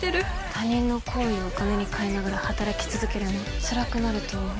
他人の好意をお金に換えながら働き続けるのつらくなると思う。